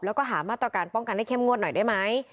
แล้วก็หามาตรการป้องกันให้เข้มงวดหน่อยได้ไหม